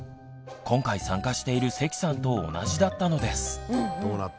今回参加している関さんと同じだったのです。